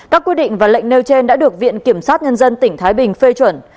các quy định và lệnh nêu trên đã được viện kiểm sát nhân dân tỉnh thái bình phê chuẩn